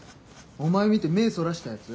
お前見て目そらしたやつ？